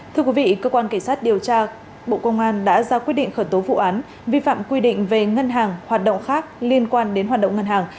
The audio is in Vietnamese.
thưa quý vị cơ quan cảnh sát điều tra bộ công an đã ra quyết định khởi tố vụ án vi phạm quy định về ngân hàng hoạt động khác liên quan đến hoạt động ngân hàng